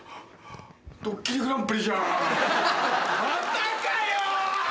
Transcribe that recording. またかよ！